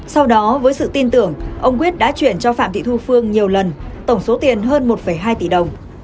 sau đó với sự tin tưởng ông quyết đã chuyển cho phạm thị thu phương nhiều lần tổng số tiền hơn một hai tỷ đồng